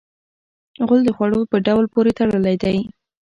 غول د خوړو په ډول پورې تړلی دی.